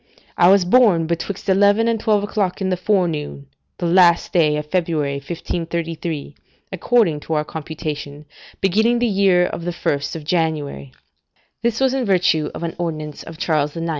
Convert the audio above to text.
I was born betwixt eleven and twelve o'clock in the forenoon the last day of February 1533, according to our computation, beginning the year the 1st of January, [This was in virtue of an ordinance of Charles IX.